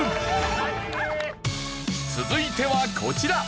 続いてはこちら。